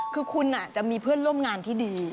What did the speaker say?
คือคุณจะมีเพื่อนร่วมงานที่ดี